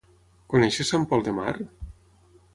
Coneixes Sant Pol de Mar?